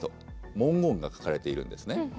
文言が書かれているんですね。